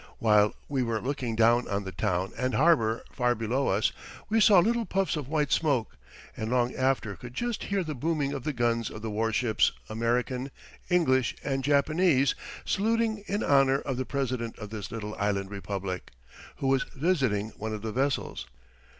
While we were looking down on the town and harbour far below us, we saw little puffs of white smoke, and long after could just hear the booming of the guns of the warships, American, English, and Japanese, saluting in honour of the President of this little island republic, who was visiting one of the vessels.